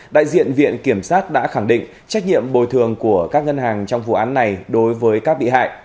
đại diện viện kiểm sát đã khẳng định trách nhiệm bồi thường của các ngân hàng trong vụ án này đối với các bị hại